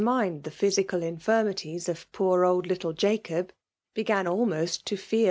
miiiS ' tlib physical infirmities of poor old little Jacob, Ikegati ahaost to feAr.